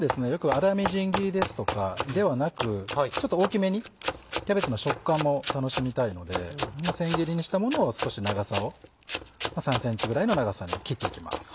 粗みじん切りですとかではなくちょっと大きめにキャベツの食感も楽しみたいので千切りにしたものを少し長さを３ｃｍぐらいの長さに切っていきます。